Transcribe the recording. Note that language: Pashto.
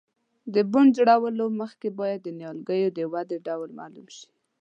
د بڼ جوړولو مخکې باید د نیالګیو د ودې ډول معلوم شي.